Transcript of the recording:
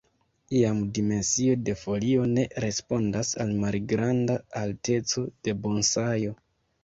Iam dimensio de folio ne respondas al malgranda alteco de bonsajo.